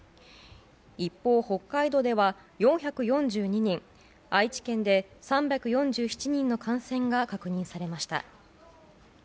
一方、北海道では４４２人愛知県で３４７人の感染が確認されました。